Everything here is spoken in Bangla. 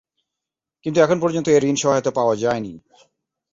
কিন্তু এখন পর্যন্ত এ ঋণ সহায়তা পাওয়া যায়নি।